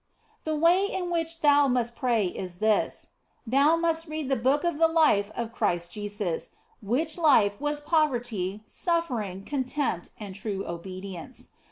The way in which thou must pray is this : thou must read the Book of the Life of Christ Jesus, which life was poverty, suffering, contempt, and true obedience.